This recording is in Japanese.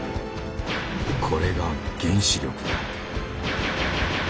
これが「原子力」だ。